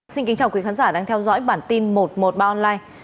xin kính chào quý khán giả đang theo dõi bản tin một trăm một mươi ba online